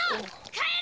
帰れ！